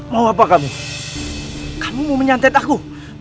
mau apa kamu kamu mau menyantet aku